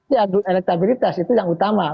ya elektabilitas itu yang utama